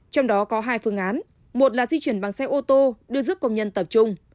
trong đó có hai phương án một là di chuyển bằng xe ô tô đưa dứt công nhân tập trung